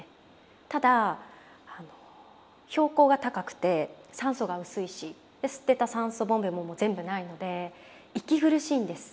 ただ標高が高くて酸素が薄いし吸ってた酸素ボンベも全部ないので息苦しいんです。